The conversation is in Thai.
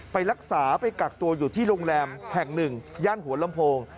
ไปรักษาไปกักตัวอยู่ที่โรงแรมแห่งหนึ่งย่านหัวลำโพง